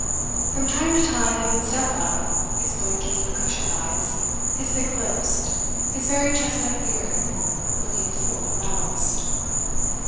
From time to time he would step up, his blinking, cushioned eyes, his thick lips, his very chestnut beard, looking full of malice.